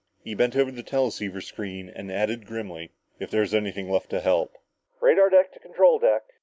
He bent over the teleceiver screen and added grimly, "If there is anything left to help!" "Radar deck to control deck!"